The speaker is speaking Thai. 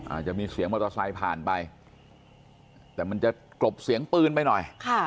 อาจจะมีเสียงมอเตอร์ไซค์ผ่านไปแต่มันจะกลบเสียงปืนไปหน่อย